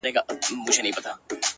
o خود نو په دغه يو سـفر كي جادو،